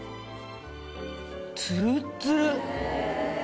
ツルッツル。